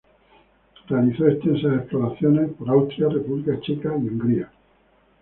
Realizó extensas exploraciones por Austria, República Checa, Hungría.